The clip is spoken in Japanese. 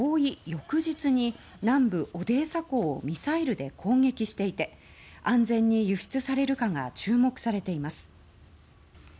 翌日に南部オデーサ港をミサイルで攻撃していて安全に輸出されるかが注目されています。